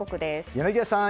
柳谷さん